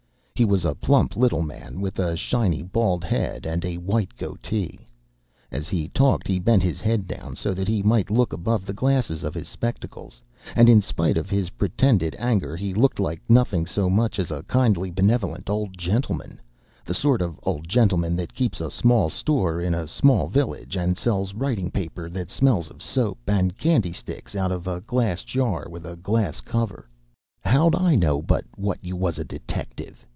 He was a plump little man with a shiny bald head and a white goatee. As he talked, he bent his head down, so that he might look above the glasses of his spectacles; and in spite of his pretended anger he looked like nothing so much as a kindly, benevolent old gentleman the sort of old gentleman that keeps a small store in a small village and sells writing paper that smells of soap, and candy sticks out of a glass jar with a glass cover. "How'd I know but what you was a detective?"